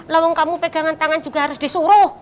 lowong kamu pegangan tangan juga harus disuruh